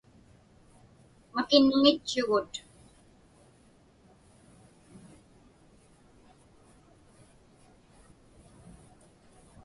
Makiñŋitchugut.